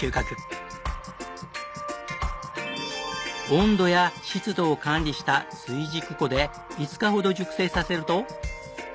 温度や湿度を管理した追熟庫で５日ほど熟成させると。